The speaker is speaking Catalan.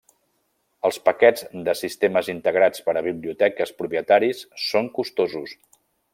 Els paquets de sistemes integrats per a biblioteques propietaris són costosos.